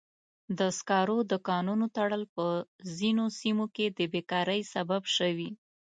د سکرو د کانونو تړل په ځینو سیمو کې د بیکارۍ سبب شوی.